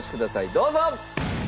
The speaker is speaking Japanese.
どうぞ！